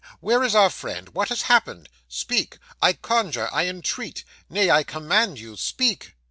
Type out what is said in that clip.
Where is our friend? What has happened? Speak I conjure, I entreat nay, I command you, speak.